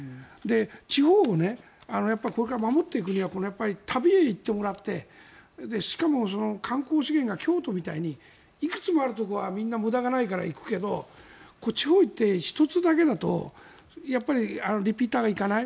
地方をこれから守っていくには旅へ行ってもらってしかも、観光資源が京都みたいにいくつもあるところはみんな無駄がないから行くけど地方へ行って１つだけだとやっぱりリピーターが行かない。